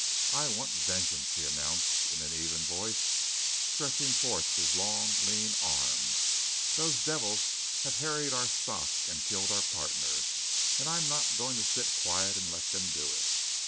"I want vengeance," he announced in an even voice, stretching forth his long, lean arm. "Those devils have harried our stock and killed our pardner; and I'm not going to set quiet and let them do it."